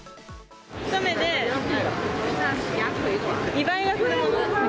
一目で見栄えがするもの。